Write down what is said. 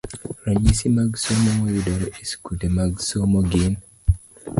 Ranyisi mag somo mayudore e skunde mag somo gin: